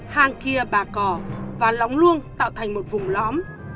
hàng kia bà cỏ và lóng luông tạo thành một vùng lõm